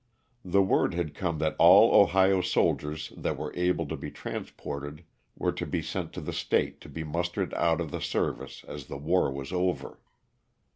The word had come that all Ohio soldiers that were able to be transported were to be sent to the State to be mustered out of the service as the war was over.